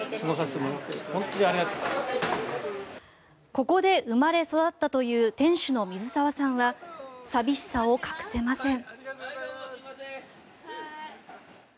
ここで生まれ育ったという店主の水澤さんは寂しさを隠せません。